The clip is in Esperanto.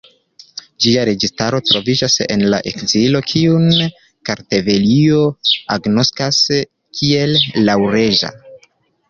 Ĝia registaro troviĝas en la ekzilo kiun Kartvelio agnoskas kiel laŭleĝa.